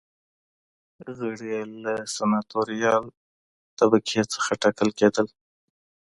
غړي یې له سناتوریال طبقې څخه ټاکل کېدل.